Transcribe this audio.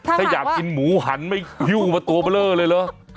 ถ้าอยากกินหมูหันไม่หิ้วมาตัวเบลอเลยเหรอ